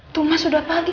tuh mas udah pagi